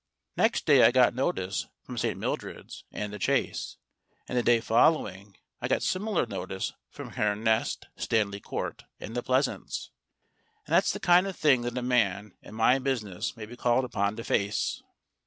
Next day I got notice from St. Mildred's and The Chase. And the day following I got similar notice from Herne Nest, Stanley Court, and The Pleasaunce. And that's the kind of thing that a man in my business may be called upon to face